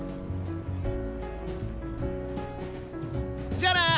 じゃあな！